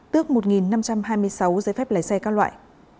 tước một năm trăm hai mươi sáu giấy phép lái xe các loại